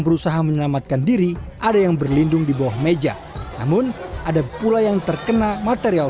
berusaha menyelamatkan diri ada yang berlindung di bawah meja namun ada pula yang terkena material